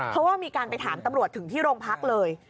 เพราะว่ามีการไปถามตำรวจถึงที่โรงพักเลย